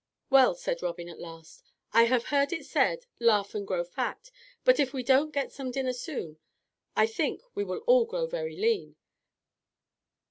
"Well," said Robin at last, "I have heard it said, 'Laugh and grow fat,' but if we don't get some dinner soon I think we will all grow very lean.